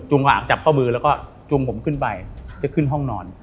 จับข้อมือแล้วก็จุงผมขึ้นไปจะขึ้นห้องนอน